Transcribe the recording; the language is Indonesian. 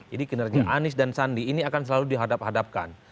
jadi kinerja anies dan sandi ini akan selalu dihadap hadapkan